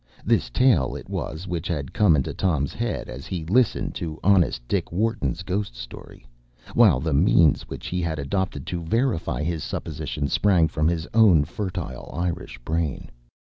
This tale it was which had come into Tom’s head as he listened to honest Dick Wharton’s ghost story, while the means which he had adopted to verify his supposition sprang from his own fertile Irish brain.